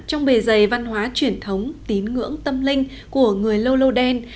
trong bề dày văn hóa truyền thống tín ngưỡng tâm linh của người lô lô đen